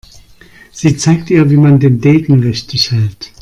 Sie zeigt ihr, wie man den Degen richtig hält.